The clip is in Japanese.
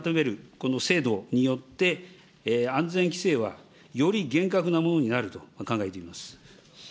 この制度によって、安全規制はより厳格なものになると考えています。